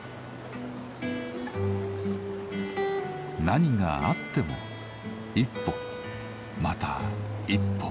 何があっても一歩また一歩。